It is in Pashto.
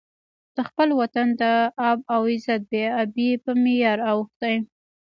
د خپل وطن د آب او عزت بې ابۍ په معیار اوښتی.